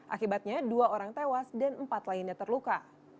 akibatnya dua orang tewas dan empat lainnya terluka